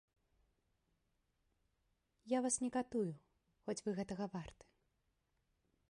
Я вас не катую, хоць вы гэтага варты.